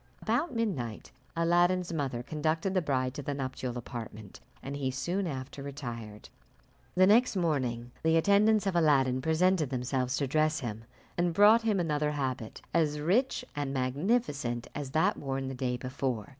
About midnight Aladdin's mother conducted the bride to the nuptial apartment, and he soon after retired. The next morning the attendants of Aladdin presented themselves to dress him, and brought him another habit, as rich and magnificent as that worn the day before.